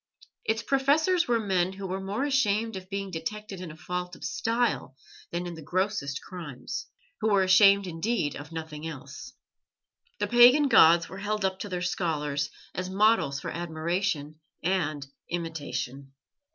Its professors were men who were more ashamed of being detected in a fault of style than in the grossest crimes, who were ashamed indeed of nothing else. The pagan gods were held up to their scholars as models for admiration and imitation.